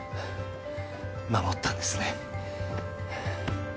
守ったんですね